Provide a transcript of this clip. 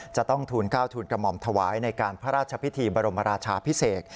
จะต้องทูล๙ทูลกระหม่อมถวายในการพระราชพิธีบรมราชาพิเศษ